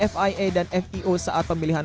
fia dan fio saat pemilihan